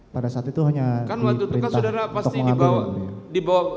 pada saat itu hanya diperintah untuk mengambil